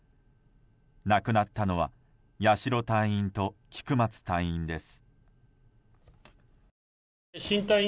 亡くなったのは八代隊員と菊松隊員です。